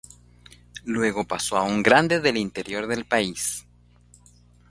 Luego pasó a un grande del interior del país.